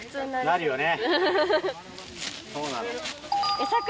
なるよね。